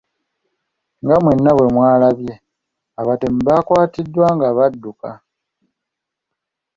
Nga mwenna bwe mwalabye, abatemu baakwatiddwa nga badduka.